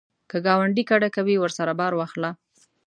که ګاونډی کډه کوي، ورسره بار واخله